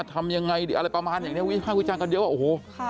ทำยังไงอะไรประมาณอย่างนี้วิภาควิจารณ์กันเยอะว่าโอ้โห